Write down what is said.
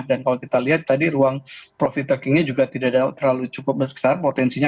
dan kalau kita lihat tadi ruang profit takingnya juga tidak terlalu cukup besar potensinya